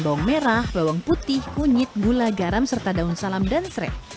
bawang merah bawang putih kunyit gula garam serta daun salam dan serai